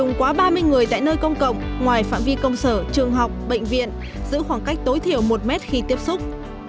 quá ba mươi người tại nơi công cộng ngoài phạm vi công sở trường học bệnh viện giữ khoảng cách tối thiểu một mét khi tiếp xúc